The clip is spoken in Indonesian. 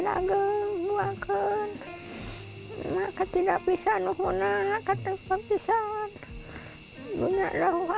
di gunung adama di gunung adama